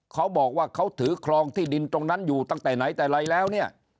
เขาบอกว่าเขาถือครองที่ดินตรงนั้นอยู่ตั้งแต่ไหนแต่ไรแล้วเนี่ย